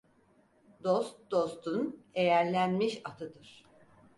Dost dostun eğerlenmiş atıdır.